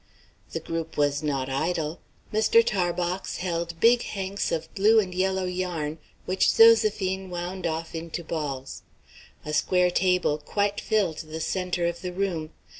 The group was not idle. Mr. Tarbox held big hanks of blue and yellow yarn, which Zoséphine wound off into balls. A square table quite filled the centre of the room.